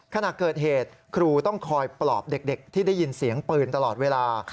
ขณะเกิดเหตุครูต้องคอยปลอบเด็กที่ได้ยินเสียงปืนตลอดเวลา